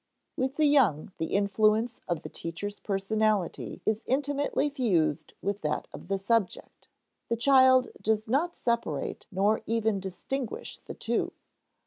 With the young, the influence of the teacher's personality is intimately fused with that of the subject; the child does not separate nor even distinguish the two.